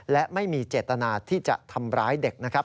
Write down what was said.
และไม่มีเจตนาที่จะทำร้ายเด็กนะครับ